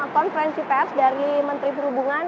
konferensi pers dari menteri perhubungan